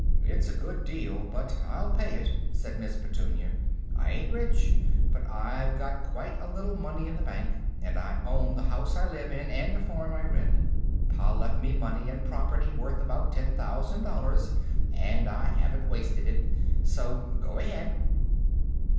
"It's a good deal, but I'll pay it," said Miss Petunia. "I ain't rich, but I've got quite a little money in the bank, and I own the house I live in and a farm I rent. Pa left me money and property worth about ten thousand dollars, and I haven't wasted it. So go ahead."